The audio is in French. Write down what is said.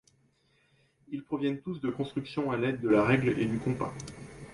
Ils proviennent tous de constructions à l'aide de la règle et du compas.